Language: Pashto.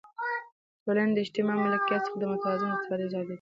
د ټولنې له اجتماعي ملکیت څخه د متوازنې استفادې آزادي ده.